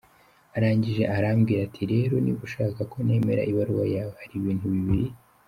Arangije arambwira ati rero niba ushaka ko nemera ibaruwa yawe, hari ibintu bibiri.